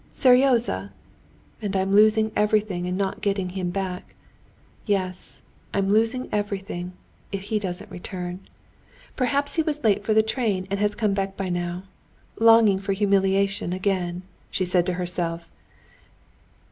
Seryozha! And I'm losing everything and not getting him back. Yes, I'm losing everything, if he doesn't return. Perhaps he was late for the train and has come back by now. Longing for humiliation again!" she said to herself.